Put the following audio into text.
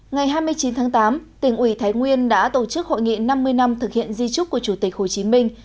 ngày hai mươi chín tháng tám tỉnh ủy thái nguyên đã tổ chức hội nghị năm mươi năm thực hiện di trúc của chủ tịch hồ chí minh